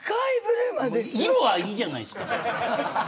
色はいいじゃないですか。